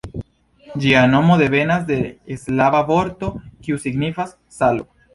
Ĝia nomo devenas de slava vorto, kiu signifas "salo".